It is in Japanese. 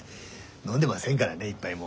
飲んでませんからね一杯も。